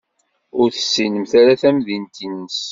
Ur tessinemt ara tamdint-nnes.